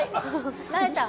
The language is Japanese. なえちゃ